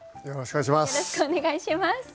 よろしくお願いします。